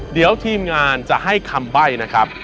เดี๋ยวทีมงานจะให้คำใบ้นะครับ